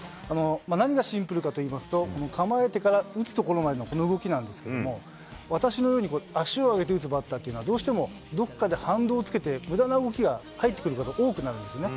何がシンプルかといいますと、構えてから打つところまでのこの動きなんですけれども、私のように、足を上げて打つバッターというのはどうしてもどこかで反動をつけてむだな動きが入ってくること、多くなるんですね。